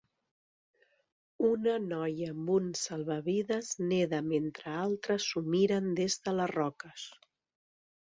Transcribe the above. Una noia amb un salvavides neda mentre altres s'ho miren des de les roques